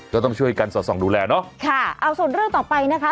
ก็ต้องช่วยกันสอดส่องดูแลเนอะค่ะเอาส่วนเรื่องต่อไปนะคะ